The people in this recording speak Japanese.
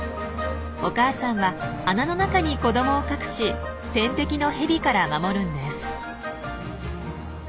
お母さんは穴の中に子どもを隠し天敵のヘビから守るんです。